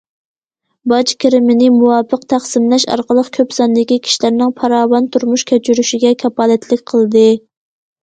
باج كىرىمىنى مۇۋاپىق تەقسىملەش ئارقىلىق كۆپ ساندىكى كىشىلەرنىڭ پاراۋان تۇرمۇش كەچۈرۈشىگە كاپالەتلىك قىلدى.